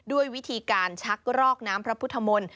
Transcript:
ด้วยวิธีการชักรอกน้ำพระพุทธมนต์